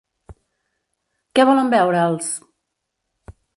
Què volen beure els??